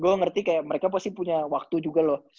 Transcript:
gue ngerti kayak mereka pasti punya waktu juga loh